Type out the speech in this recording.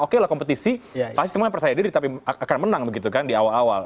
oke lah kompetisi pasti semuanya percaya diri tapi akan menang begitu kan di awal awal